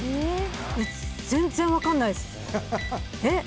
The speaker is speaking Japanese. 全然分かんないですえっ